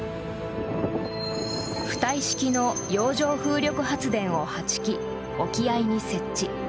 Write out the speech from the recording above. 浮体式の洋上風力発電を８基沖合に設置。